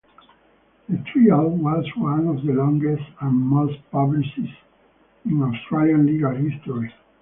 The trial was one of the longest and most publicised in Australian legal history.